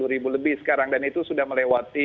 enam puluh ribu lebih sekarang dan itu sudah melewati